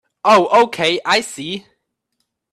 Oh okay, I see.